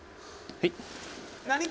はい。